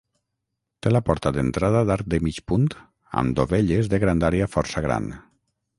Té la porta d'entrada d'arc de mig punt amb dovelles de grandària força gran.